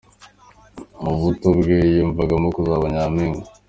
Mu buto bwe yiyumvagamo kuzaba Nyampinga.